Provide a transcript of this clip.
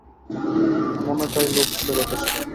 মনে তাই লোভ ছিল যথেষ্ট।